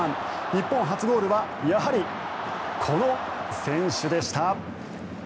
日本初ゴールはやはりこの選手でした。